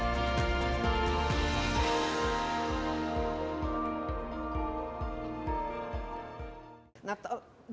jangan sampai masyarakat jawa barat itu hanya mementingkan duniawi